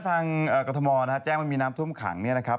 ตรงกรุธหมอน้ำท่วมขังนี้นะครับ